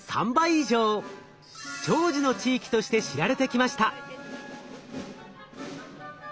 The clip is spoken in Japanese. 長寿の地域として知られてきました。